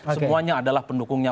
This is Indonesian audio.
semuanya adalah pendukungnya dua